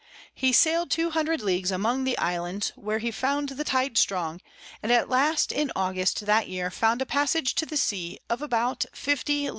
He sail'd 200 Leagues among the Islands, where he found the Tide strong, and at last in August that Year found a Passage to the Sea of about 50 Ls.